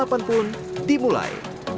balapan pun dimulai